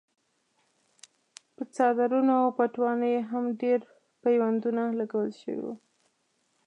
په څادرونو او پټوانو یې هم ډېر پیوندونه لګول شوي وو.